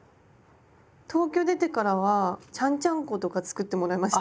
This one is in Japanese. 東京出てからはちゃんちゃんことか作ってもらいました。